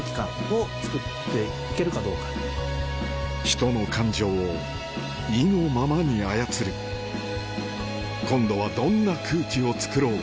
人の感情を意のままに操る今度はどんな空気をつくろう？